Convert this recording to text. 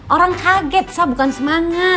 orang kaget saya bukan semangat